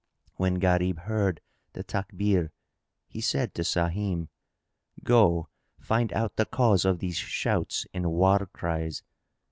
When Gharib heard the Takbir,[FN#8] he said to Sahim, "Go find out the cause of these shouts and war cries."